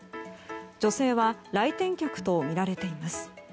女性は来店客とみられています。